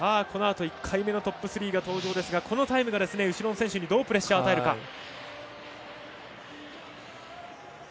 このあと１回目のトップ３が登場ですがこのタイムが後ろの選手にどうプレッシャーを与えるか。